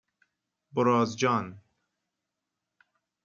برازجان